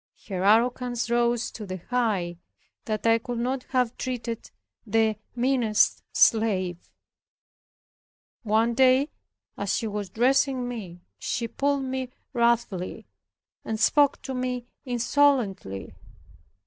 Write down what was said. Her arrogance rose to the height that I would not have treated the meanest slave. One day, as she was dressing me, she pulled me roughly, and spoke to me insolently.